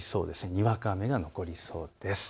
にわか雨が残りそうです。